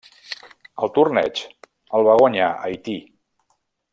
El torneig el va guanyar Haití.